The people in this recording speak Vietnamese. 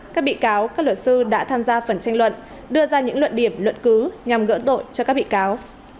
các bị cáo các luật sư đã tham gia phần tranh luận đưa ra những luận điểm luận cứ nhằm gỡ tội cho các bị cáo